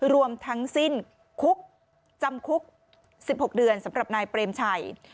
รวมทั้งสิ้นคุกจำคุก๑๖เดือนสำหรับนายเปรมชัย